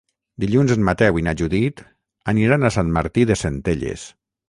Dilluns en Mateu i na Judit aniran a Sant Martí de Centelles.